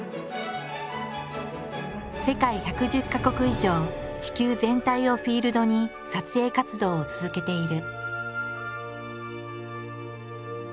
世界１１０か国以上地球全体をフィールドに撮影活動を続けている。